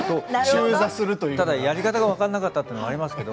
ただ、やり方が分からなかったというのはありますけど。